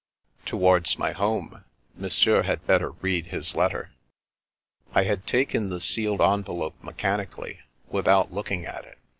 " Towards my home. Monsieur had better read his letter." I had taken the sealed envelope mechanically, without looking at it.